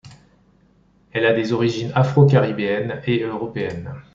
Elle a des origines afro-caribbéennes et européenne.